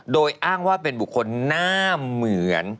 โดยอ้างว่าเป็นบุคคลหน้าเหมือน